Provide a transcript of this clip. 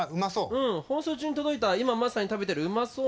放送中に届いた今まさに食べてる「うまそー」